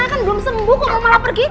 kan belum sembuh kok mau malah pergi